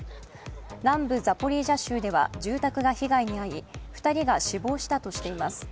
南部ザポリージャ州では住宅が被害に遭い、２人が死亡したとしています。